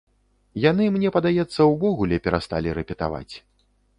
Яны, мне падаецца, увогуле перасталі рэпетаваць.